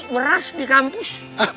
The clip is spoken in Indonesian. beras di kampus